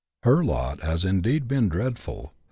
Her lot has indeed been dreadful.